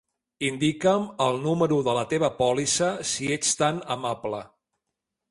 Indica'm el número de la teva pòlissa, si ets tan amable.